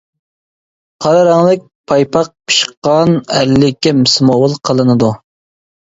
قارا رەڭلىك پايپاق پىشقان ئەرلىككە سىمۋول قىلىنىدۇ.